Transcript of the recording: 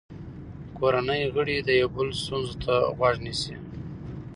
کورنۍ غړي د یو بل ستونزو ته غوږ نیسي